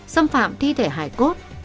xâm phạm thi thể hải cốt